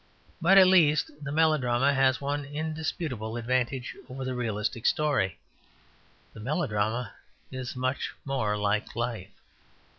But, at least, the melodrama has one indisputable advantage over the realistic story. The melodrama is much more like life.